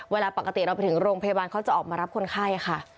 เวลาปกติเราไปถึงโรงพยาบาลเขาจะออกมารับคนไข้ค่ะ